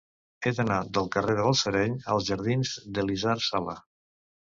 He d'anar del carrer de Balsareny als jardins d'Elisard Sala.